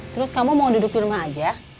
terus kamu mau duduk di rumah aja